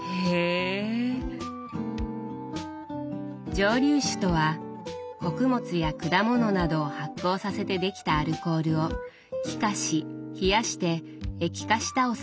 蒸留酒とは穀物や果物などを発酵させてできたアルコールを気化し冷やして液化したお酒のこと。